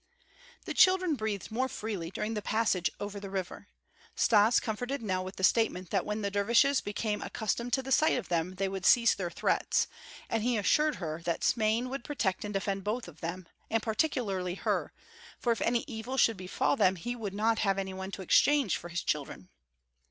The children breathed more freely during the passage over the river. Stas comforted Nell with the statement that when the dervishes became accustomed to the sight of them they would cease their threats, and he assured her that Smain would protect and defend both of them, and particularly her, for if any evil should befall them he would not have any one to exchange for his children.